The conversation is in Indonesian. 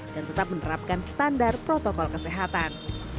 dan tetap menerapkan standar protokol kesehatan